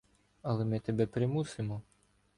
— Але ми тебе примусимо.